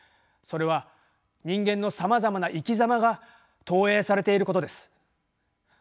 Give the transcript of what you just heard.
それは人間のさまざまな生きざまが投影されていることです。